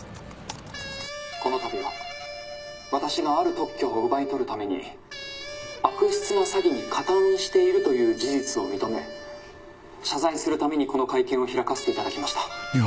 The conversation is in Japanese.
「この度は私がある特許を奪い取るために悪質な詐欺に加担しているという事実を認め謝罪するためにこの会見を開かせて頂きました」